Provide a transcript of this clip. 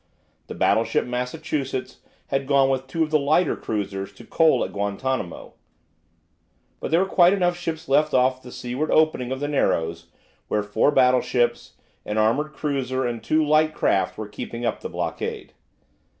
The battleship "Massachusetts" had gone with two of the lighter cruisers to coal at Guantanamo. But there were quite enough ships left off the seaward opening of the narrows, where four battleships, an armoured cruiser, and two light craft were keeping up the blockade.